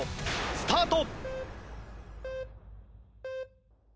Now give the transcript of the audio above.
スタート！